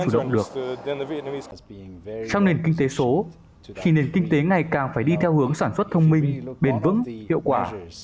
trong nền kinh tế số khi nền kinh tế ngày càng phải đi theo hướng sản xuất thông minh bền vững hiệu quả